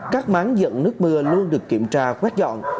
các máng dẫn nước mưa luôn được kiểm tra quét dọn